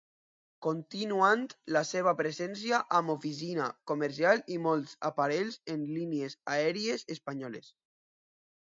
Continuant la seva presència amb oficina comercial i molts aparells en línies aèries espanyoles.